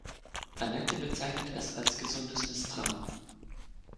Anette bezeichnet es als gesundes Misstrauen.